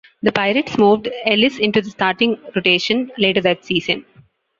The Pirates moved Ellis into the starting rotation later that season.